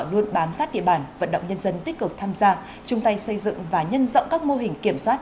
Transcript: luôn bám sát địa bàn vận động nhân dân tích cực tham gia chung tay xây dựng và nhân rộng các mô hình kiểm soát